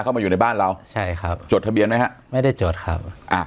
เข้ามาอยู่ในบ้านเราใช่ครับจดทะเบียนไหมฮะไม่ได้จดครับอ่า